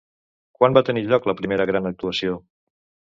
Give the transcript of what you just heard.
Quan va tenir lloc la primera gran actuació?